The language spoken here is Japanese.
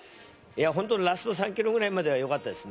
ラスト３ｋｍぐらいまではよかったですね。